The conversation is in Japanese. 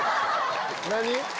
何？